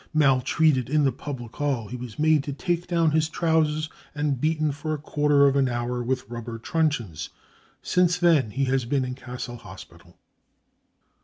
Maltreated in the public hall. He was made to take down his trousers, and beaten for quarter of an hour with rubber truncheons. Since then he has been in Cassel Hospital.